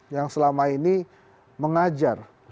yang selama ini mengajar